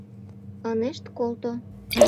Ынешт колто.